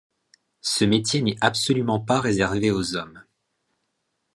Ce métier n'est absolument pas réservé aux hommes.